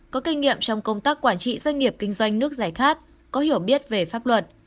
có kinh nghiệm trong công tác quản trị doanh nghiệp kinh doanh nước giải khát có hiểu biết về pháp luật